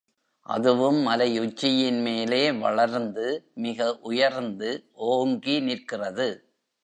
அதுவும் மலை உச்சியின் மேலே வளர்ந்து மிக உயர்ந்து ஓங்கி நிற்கிறது.